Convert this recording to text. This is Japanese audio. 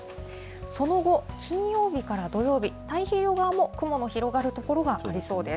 その後、金曜日から土曜日、太平洋側も雲の広がる所がありそうです。